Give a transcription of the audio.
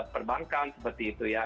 perbankan seperti itu ya